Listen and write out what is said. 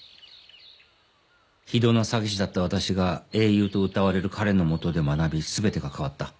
非道な詐欺師だった私が英雄とうたわれる彼のもとで学び全てが変わった。